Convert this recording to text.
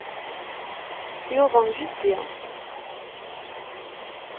Yuḍen jeddi.